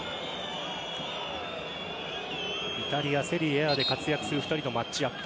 イタリア・セリエＡで活躍する２人のマッチアップ。